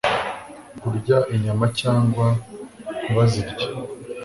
kurya inyama cyangwa ntibazirye